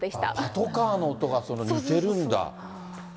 パトカーの音が似てるんだ？